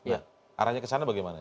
ya arahnya ke sana bagaimana